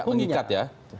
tidak mengikat ya